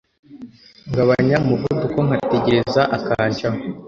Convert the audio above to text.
ngabanya umuvuduko nkategereza akancaho